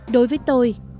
đối với tôi